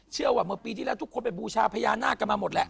เชื่อว่าเมื่อปีที่แล้วทุกคนไปบูชาพญานาคกันมาหมดแหละ